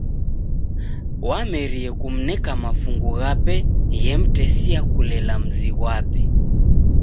Wamerie kumneka mafungu ghape ghemtesia kulela mzi ghwape.